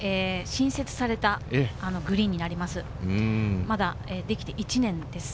新設されたグリーンになります。